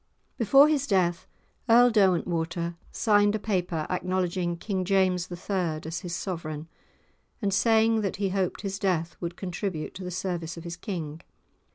Before his death, Earl Derwentwater signed a paper acknowledging "King James the Third" as his sovereign, and saying that he hoped his death would contribute to the service of his King.